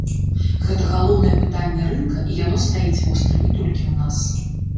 Гэта галоўнае пытанне рынка, і яно стаіць востра не толькі ў нас.